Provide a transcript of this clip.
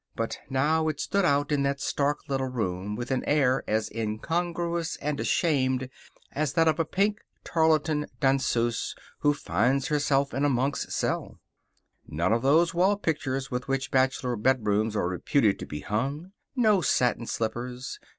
But now it stood out in that stark little room with an air as incongruous and ashamed as that of a pink tarlatan danseuse who finds herself in a monk's cell. None of those wall pictures with which bachelor bedrooms are reputed to be hung. No satin slippers.